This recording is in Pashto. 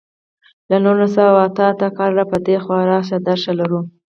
له نولس سوه اته اته کال را په دېخوا راشه درشه لرو.